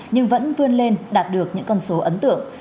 nhưng vẫn vươn lên đạt được những con số ấn tượng